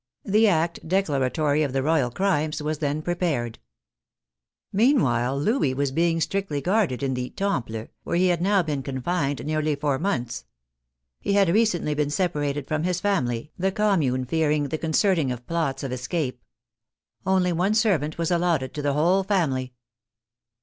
The act declaratory of the Royal crimes was then prepared. Meanwhile Louis was being strictly guarded in the ' Temple," where he had now been confined nearly four months. He had recently been separated from his family, the Commune fearing the concerting of plots of escape. Only one servant was allotted to the whole family.